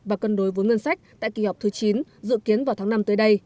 và cân đối vốn ngân sách tại kỳ họp thứ chín dự kiến vào tháng năm tới đây